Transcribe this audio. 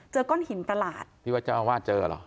ก้อนหินตลาดพี่ว่าเจ้าอาวาสเจอเหรอ